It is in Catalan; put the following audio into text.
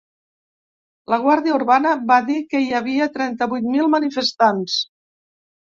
La guàrdia urbana va dir que hi havia trenta-vuit mil manifestants.